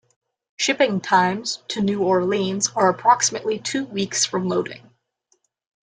Shipping times to New Orleans are approximately two weeks from loading.